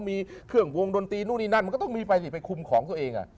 มีเครื่องวงดนตรีนู่นนี่นั่นมันก็ต้องมีไปสิไปคุมของตัวเอง